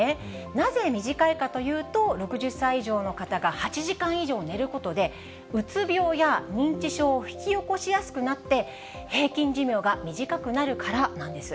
なぜ短いかというと、６０歳以上の方が８時間以上寝ることで、うつ病や認知症を引き起こしやすくなって、平均寿命が短くなるからなんです。